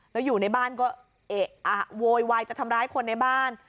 แล้วอยู่ในบ้านก็โวยวายจะทำร้ายคนในบ้าน